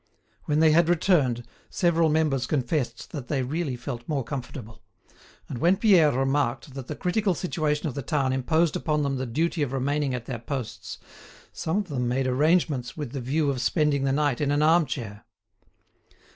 When they had returned, several members confessed that they really felt more comfortable; and when Pierre remarked that the critical situation of the town imposed upon them the duty of remaining at their posts, some of them made arrangements with the view of spending the night in an arm chair.